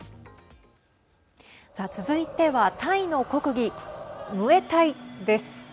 さあ続いてはタイの国技ムエタイです。